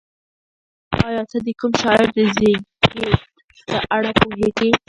ایا ته د کوم شاعر د زېږد په اړه پوهېږې؟